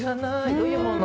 どういうもの？